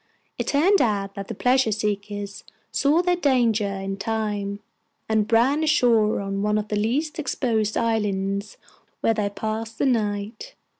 It turned out that the pleasure seekers saw their danger in time, and ran ashore on one of the least exposed islands, where they passed the night.